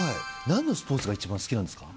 何のスポーツが一番好きなんですか？